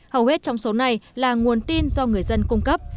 hầu hết trong số này là nguồn tin do người dân cung cấp